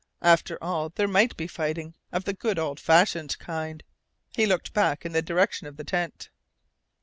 After all there might be fighting of the good old fashioned kind. He looked back in the direction of the tent.